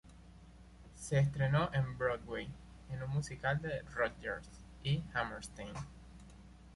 Se estrenó en Broadway en un musical de Rodgers y Hammerstein.